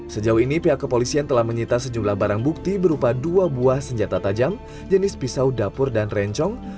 sejauh ini pihak kepolisian telah menyita sejumlah barang bukti berupa dua buah senjata tajam jenis pisau dapur dan rencong